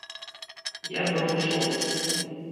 Я быў у шоку.